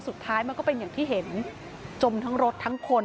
สุดท้ายมันก็เป็นอย่างที่เห็นจมทั้งรถทั้งคน